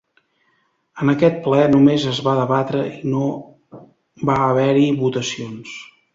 En aquest ple només es va debatre i no va haver-hi votacions.